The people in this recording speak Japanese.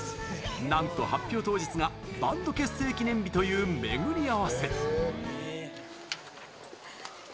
なんと発表当日がバンド結成記念日というめぐり合わせ。